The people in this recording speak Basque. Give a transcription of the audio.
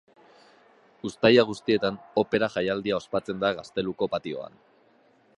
Uztaila guztietan Opera jaialdia ospatzen da gazteluko patioan.